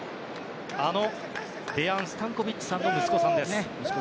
あのデヤン・スタンコビッチさんの息子さんです。